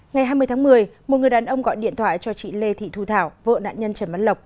ngày hai mươi tháng một mươi một người đàn ông gọi điện thoại cho chị lê thị thu thảo vợ nạn nhân trần văn lộc